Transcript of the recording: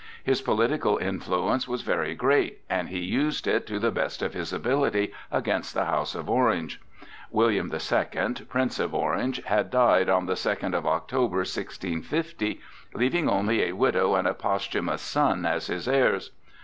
His political influence was very great, and he used it to the best of his ability against the house of Orange. William the Second, Prince of Orange, had died on the second of October, 1650, leaving only a widow and a posthumous son as his heirs.